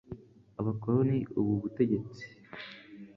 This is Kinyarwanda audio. abakoroni ubu butegetsi